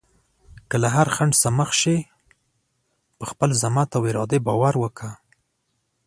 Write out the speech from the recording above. که له هر خنډ سره مخ شې، په خپل زحمت او ارادې باور وکړه.